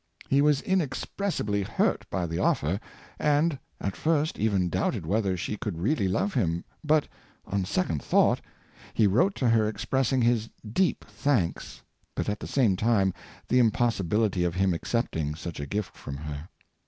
He was inexpressibly hurt by the offer, and, at first, even doubted whether she could really love him, but, on second thought, he wrote to her expressing his deep thanks, but at the same time, the impossibility of him accepting such a gift from her.